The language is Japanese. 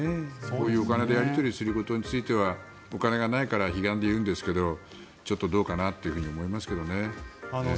こういうお金でやり取りすることについてはお金がないからひがんで言うんですけどちょっとどうかなと思いますけどね。